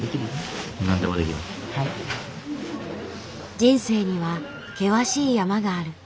人生には険しい山がある。